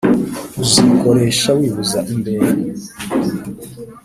uzikoresha wibuza imbehe!